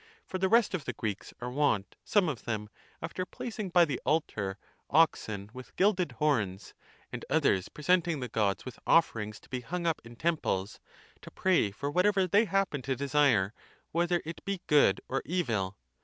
For the rest of the Greeks are wont, some of them, after placing (by the altar) oxen with gilded horns,®°° and others presenting the gods with offerings to be hung up (in temples), to pray for whatever they happen (to desire), whether it be good or evil.